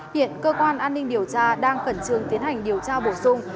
hiện cơ quan an ninh điều tra đang khẩn trương tiến hành điều tra bổ sung